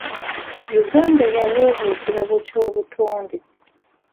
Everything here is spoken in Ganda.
Uganda yaweebwa ekirabo ky'obutonde.